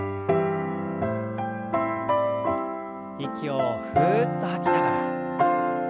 息をふっと吐きながら。